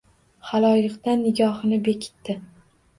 Xaloyiqdan nigohini bekitdi.